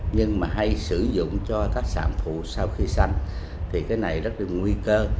nhưng mà hay sử dụng cho các sản phụ sau khi xanh thì cái này rất là nguy cơ